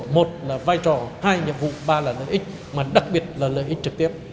một là vai trò hai nhiệm vụ ba là lợi ích mà đặc biệt là lợi ích trực tiếp